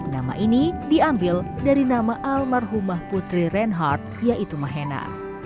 nama ini diambil dari nama almarhumah putri reinhard yaitu mahena